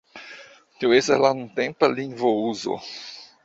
Tio estas la nuntempa lingvo-uzo.